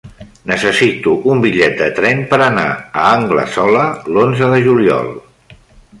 Necessito un bitllet de tren per anar a Anglesola l'onze de juliol.